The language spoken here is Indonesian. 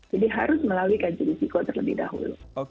jadi harus melalui kaji risiko terlebih dahulu